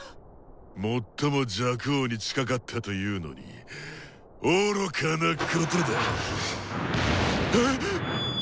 最も若王に近かったというのに愚かなことだ。